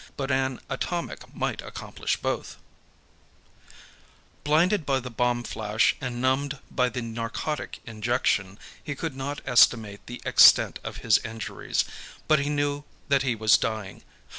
But an atomic might accomplish both _ Blinded by the bomb flash and numbed by the narcotic injection, he could not estimate the extent of his injuries, but he knew that he was dying.